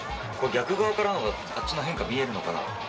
逆側からのほうがあっちの変化、見えるのかな。